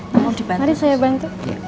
mari saya bantu